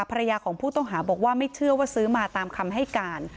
ภรรยาของผู้ต้องหาบอกว่าไม่เชื่อว่าซื้อมาตามคำให้การ